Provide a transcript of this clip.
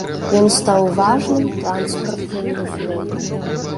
Ён стаў важным транспартным вузлом.